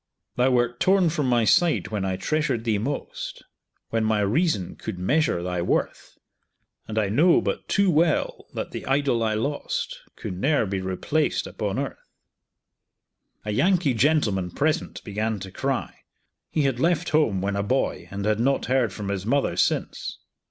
Thou wert torn from my side when I treasured thee most, When my reason could measure thy worth, And I know but too well that the idol I lost Could ne'er be replaced upon earth. A Yankee gentleman present began to cry. He had left home when a boy, and had not heard from his mother since.